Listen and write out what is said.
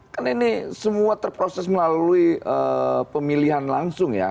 kan ini semua terproses melalui pemilihan langsung ya